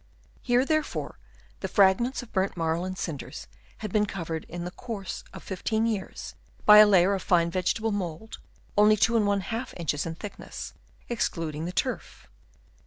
Here therefore the frag ments of burnt marl and cinders had been covered in the course of 15 years by a layer of fine vegetable mould, only 2^ inches in thickness, excluding the turf.